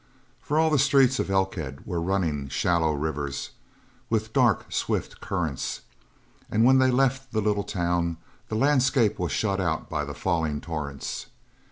For all the streets of Elkhead were running shallow rivers, with dark, swift currents, and when they left the little town the landscape was shut out by the falling torrents.